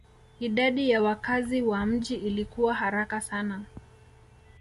Idadi ya wakazi wa mji ilikua haraka sana